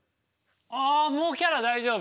あもうキャラ大丈夫よ。